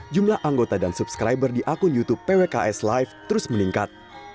jumlah anggota dan subscriber di akun youtube pwks live terus meningkat